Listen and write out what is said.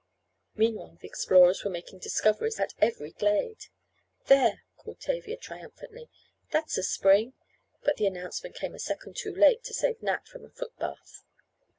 Meanwhile the explorers were making discoveries at every glade. "There," called Tavia, triumphantly, "that's a spring. But the announcement came a second too late to save Nat from a foot bath.